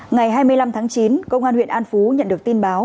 ngày hai mươi năm tháng chín công an huyện an phú nhận được tin báo